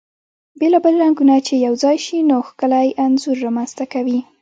بيلا بيل رنګونه چی يو ځاي شي ، نو ښکلی انځور رامنځته کوي .